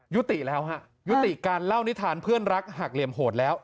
ยุติแล้วฮะยุติการเล่านิทานเพื่อนรักหักเหลี่ยมโหดแล้ว